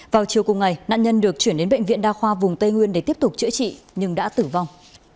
vào chiều cùng ngày nạn nhân được chuyển đến bệnh viện đa khoa vùng tây nguyên để tiếp tục chữa trị nhưng đã tử vong